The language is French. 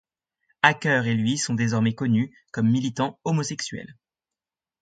Hacker et lui sont désormais connus comme militants homosexuels.